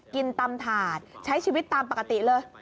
ตำถาดใช้ชีวิตตามปกติเลย